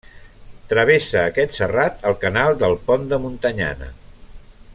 Travessa aquest serrat el Canal del Pont de Montanyana.